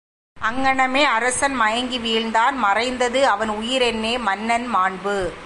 அங்ங்னமே அரசன் மயங்கி வீழ்ந்தான் மறைந்தது அவன் உயிர் என்னே மன்னன் மாண்பு!